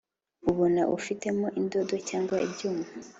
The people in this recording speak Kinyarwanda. ubona ufitemo indodo cyangwa ibyuma